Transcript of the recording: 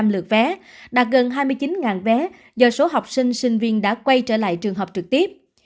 một trăm linh lượt vé đạt gần hai mươi chín vé do số học sinh sinh viên đã quay trở lại trường học trực tiếp